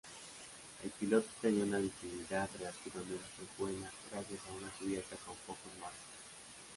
El piloto tenía una visibilidad relativamente buena gracias a una cubierta con pocos marcos.